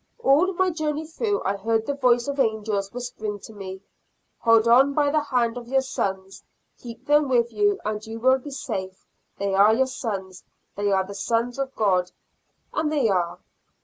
All my journey through I heard the voice of angels whispering to me, "Hold on by the hand of your sons; keep them with you and you will be safe; they are your sons, they are the sons of God," and they are.